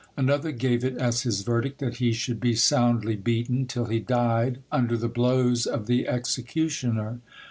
Another gave it as his verdict, that he should be soundly beaten, till he died under the blows of the executioner.